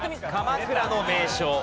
鎌倉の名所。